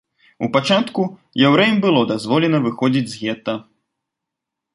У пачатку яўрэям было дазволена выходзіць з гета.